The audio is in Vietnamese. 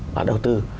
và đầu tư